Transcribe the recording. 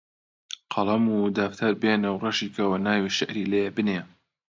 قەڵەم و دەفتەر بێنە و ڕەشی کەوە ناوی شیعری لێ بنێ